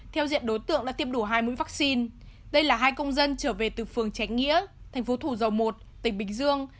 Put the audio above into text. theo diện đối tượng đã tiêm đủ hai mũi vaccine đây là hai công dân trở về từ phường tránh nghĩa thành phố thủ dầu một tỉnh bình dương